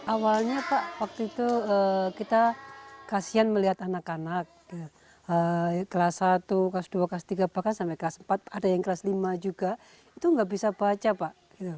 awalnya pak waktu itu kita kasihan melihat anak anak kelas satu kelas dua kelas tiga bahkan sampai kelas empat ada yang kelas lima juga itu nggak bisa baca pak